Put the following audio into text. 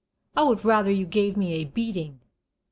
I would rather you gave me a beating."